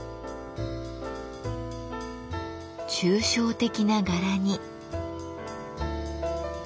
抽象的な柄に。